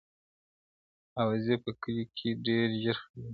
اوازې په کلي کي ډېر ژر خپرېږي,